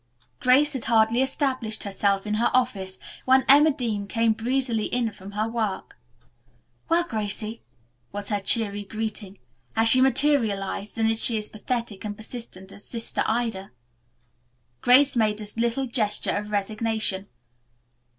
Grace had hardly established herself in her office when Emma Dean came breezily in from her work. "Well, Gracie," was her cheery greeting, "has she materialized, and is she as pathetic and persistent as Sister Ida?" Grace made a little gesture of resignation.